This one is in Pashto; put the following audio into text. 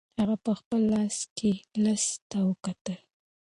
هغه په خپل لاس کې لسی ته وکتل.